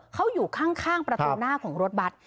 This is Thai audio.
เขาอยู่ข้างประตูหน้าของรถบัตร